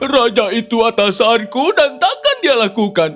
raja itu atasanku dan takkan dia lakukan